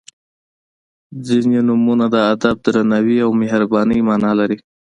• ځینې نومونه د ادب، درناوي او مهربانۍ معنا لري.